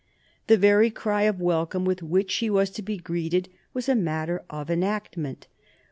The very cry of welcome with which she was to be greeted was a matter of enactment.